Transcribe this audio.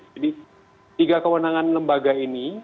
jadi tiga kewenangan lembaga ini